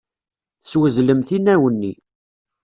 Teswezlemt inaw-nni.